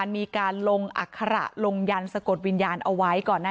อย่างนี้บอกได้คำเดียวนะ